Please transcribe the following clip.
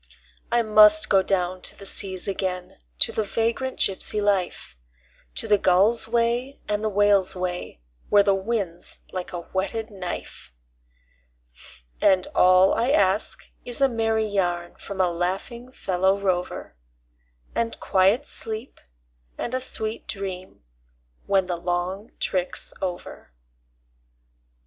I must go down to the seas again, to the vagrant gypsy life, To the gull's way and the whale's way, where the wind's like a whetted knife; And all I ask is a merry yarn from a laughing fellow rover, And quiet sleep and a sweet dream when the long trick's over.